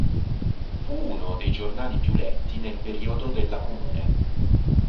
Fu uno dei giornali più letti nel periodo della Comune.